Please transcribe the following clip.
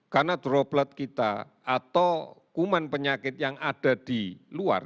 karena droplet kita atau kuman penyakit yang ada di luar